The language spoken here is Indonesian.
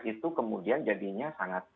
ya jadi stres itu kemudian jadinya sangat tinggi